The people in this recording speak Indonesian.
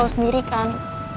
kau sendiri kan